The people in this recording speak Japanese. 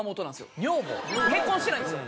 結婚してないんですよ。